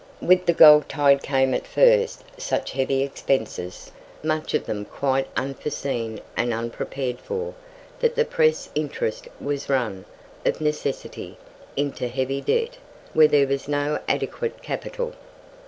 With the gold tide came at first such heavy expenses, much of them quite unforeseen and unprepared for, that the press interest was run, of necessity, into heavy debt, where there was no adequate capital.